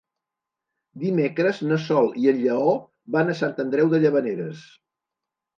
Dimecres na Sol i en Lleó van a Sant Andreu de Llavaneres.